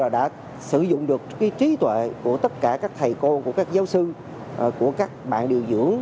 đã sử dụng được trí tuệ của tất cả các thầy cô các giáo sư các bạn điều dưỡng